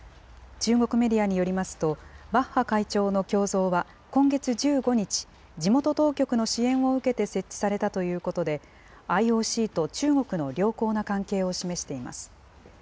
中国メディアによりますと、バッハ会長の胸像は、今月１５日、地元当局の支援を受けて設置されたということで、ＩＯＣと中国の良好な関係を示しています。